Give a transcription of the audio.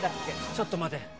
ちょっと待て。